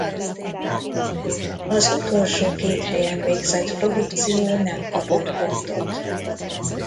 Az utolsó két helyen végzett produkció nem kapott pontot.